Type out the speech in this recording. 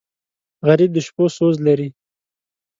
غریب د شپو سوز لري